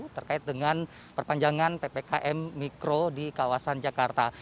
terkait dengan perpanjangan ppkm mikro di kawasan jakarta